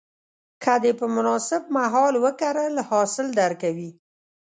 که دې په مناسب مهال وکرل، حاصل درکوي.